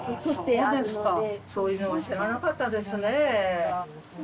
そうですかそういうのは知らなかったですねえ。